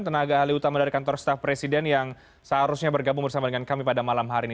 tenaga ahli utama dari kantor staf presiden yang seharusnya bergabung bersama dengan kami pada malam hari ini